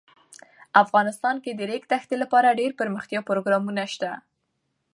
افغانستان کې د د ریګ دښتې لپاره دپرمختیا پروګرامونه شته.